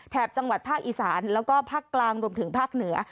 จังหวัดภาคอีสานแล้วก็ภาคกลางรวมถึงภาคเหนือ